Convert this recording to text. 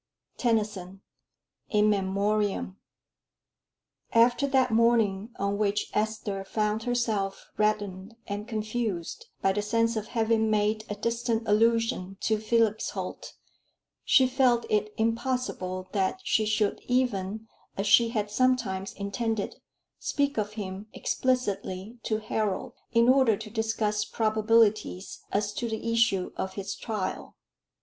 TENNYSON: In Memoriam. After that morning on which Esther found herself reddened and confused by the sense of having made a distant allusion to Felix Holt, she felt it impossible that she should even, as she had sometimes intended, speak of him explicitly to Harold, in order to discuss probabilities as to the issue of his trial.